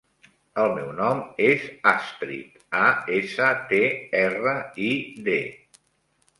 El meu nom és Astrid: a, essa, te, erra, i, de.